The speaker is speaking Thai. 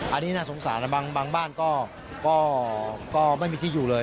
อันนี้น่าสงสารบางบ้านก็ไม่มีที่อยู่เลย